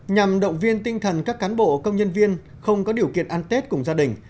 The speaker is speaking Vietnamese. nhằm động viên tinh thần các cán bộ công nhân viên không có điều kiện ăn tết cùng gia đình